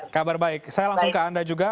kabar baik saya langsung ke anda juga